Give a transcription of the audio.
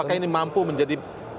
apakah ini mampu menjadi